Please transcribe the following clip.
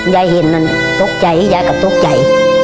ยายเห็นนั้นทุกใจยายกระทุกใจ